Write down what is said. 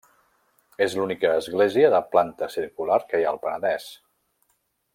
És l'única església de planta circular que hi ha al Penedès.